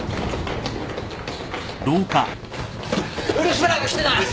漆原が来てない！